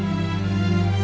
aku mau ke sana